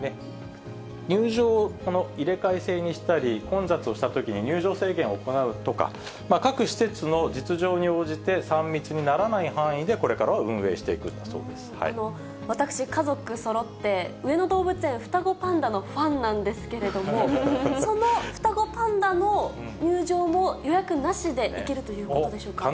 入場を入れ替え制にしたり、混雑をしたときに入場制限を行うとか、各施設の実情に応じて、３密にならない範囲でこれからは運営して私、家族そろって上野動物園、双子パンダのファンなんですけれども、その双子パンダの入場も予約なしで行けるということでしょうか？